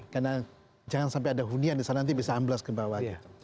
karena jangan sampai ada hunian di sana nanti bisa amblas ke bawah gitu